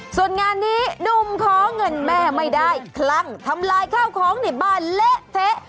ส่วนงานนี้หนุ่มขอเงินแม่ไม่ได้คลั่งทำลายข้าวของในบ้านเละเทะ